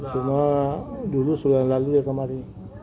cuma dulu selalu lalu dia kemari